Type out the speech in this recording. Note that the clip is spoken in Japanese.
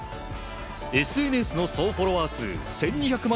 ＳＮＳの総フォロワー数１２００万